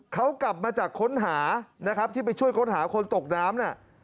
เขากลับมาจากค้นหานะครับที่ไปช่วยค้นหาคนตกน้ำน่ะ